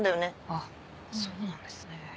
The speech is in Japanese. あそうなんですね。